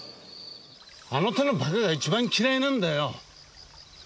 あの手の馬鹿が一番嫌いなんだよ。